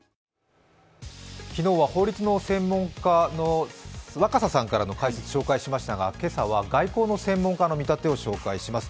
昨日は法律の専門家の若狭さんからの解説を紹介しましたが、今朝は外交の専門家の見立てを紹介します。